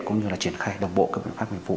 cũng như là triển khai đồng bộ cơ bản pháp nguyên vụ